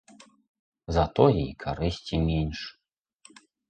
Затое і карысці менш.